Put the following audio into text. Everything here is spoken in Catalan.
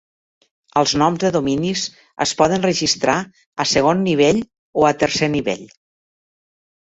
Els noms de dominis es poden registrar a segon nivell o a tercer nivell.